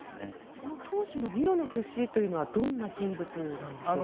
その党首のミロノフ氏というのはどんな人物なんですか。